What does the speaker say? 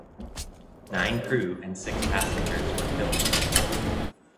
Nine crew and six passengers were killed.